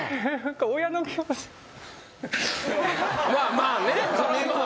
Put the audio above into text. まあね。